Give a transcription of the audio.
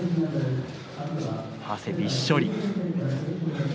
汗びっしょりです。